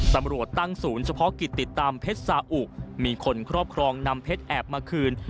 ตำรวจตั้งศูนย์เฉพาะกิจติดตามเพชรสาอุมีคนครอบครองนำเพชรแอบมาคืน